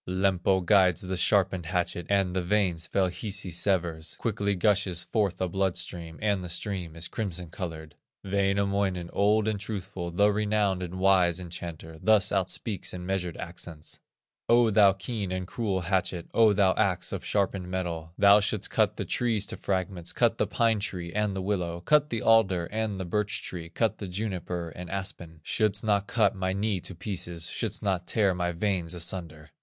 Lempo guides the sharpened hatchet, And the veins fell Hisi severs. Quickly gushes forth a blood stream, And the stream is crimson colored. Wainamoinen, old and truthful, The renowned and wise enchanter, Thus outspeaks in measured accents: "O thou keen and cruel hatchet, O thou axe of sharpened metal, Thou shouldst cut the trees to fragments, Cut the pine tree and the willow, Cut the alder and the birch tree, Cut the juniper and aspen, Shouldst not cut my knee to pieces, Shouldst not tear my veins asunder."